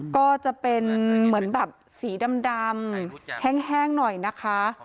ก็จะเป็นเหมือนแบบสีดำแห้งหน่อยนะคะ